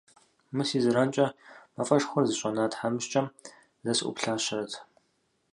Мы си зэранкӏэ мафӏэшхуэр зыщӏэна тхьэмыщкӏэм зэ сыӏуплъащэрэт.